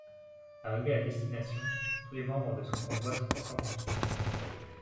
Arrivés à destination, tous les membres de son convoi sont encore en vie.